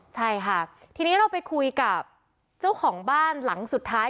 ใช่ค่ะทีนี้เราไปคุยกับเจ้าของบ้านหลังสุดท้าย